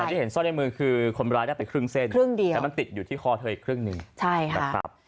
ที่เห็นสร้อยในมือคือคนร้ายได้ไปครึ่งเส้นครึ่งเดียวแล้วมันติดอยู่ที่คอเธออีกครึ่งหนึ่งใช่ค่ะนะครับ